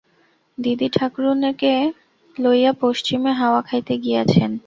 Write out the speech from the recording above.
দিদিঠাকরুনকে লইয়া পশ্চিমে হাওয়া খাইতে গিয়াছেন।